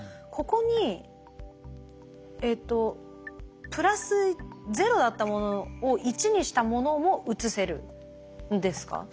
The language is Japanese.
ここにえっと「＋０」だったものを「１」にしたものも移せるんですか？